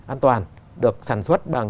an toàn được sản xuất bằng